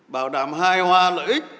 bảo đảm hai hoa lợi ích